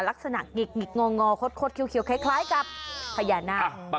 ลักษณะหงิกงิดงอโคตรขิวคล้ายกับพญานาค